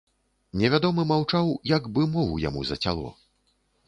Невядомы маўчаў, як бы мову яму зацяло.